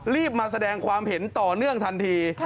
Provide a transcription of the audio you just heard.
มาแสดงความเห็นต่อเนื่องทันที